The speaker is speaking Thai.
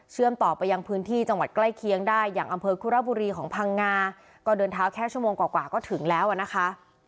ต่อไปยังพื้นที่จังหวัดใกล้เคียงได้อย่างอำเภอคุระบุรีของพังงาก็เดินเท้าแค่ชั่วโมงกว่าก็ถึงแล้วอ่ะนะคะ